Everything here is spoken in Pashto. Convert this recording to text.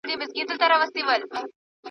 له یخنیه وه بېزار خلک له ګټو ..